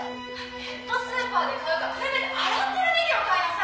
「ネットスーパーで買うかせめて洗ってるネギを買いなさい！」